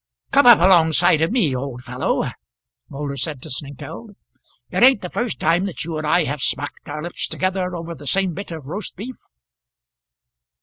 "Come up along side of me, old fellow," Moulder said to Snengkeld. "It ain't the first time that you and I have smacked our lips together over the same bit of roast beef."